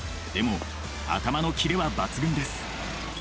でも頭のキレは抜群です。